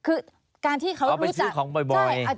เอาไปซื้อของบ่อย